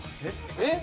えっ？